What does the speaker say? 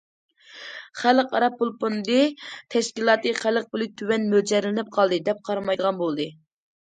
خەلقئارا پۇل فوندى تەشكىلاتى خەلق پۇلى تۆۋەن مۆلچەرلىنىپ قالدى دەپ قارىمايدىغان بولدى.